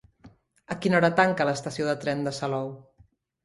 A quina hora tanca l'estació de tren de Salou?